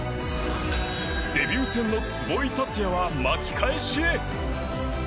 デビュー戦の壷井達也は巻き返しへ。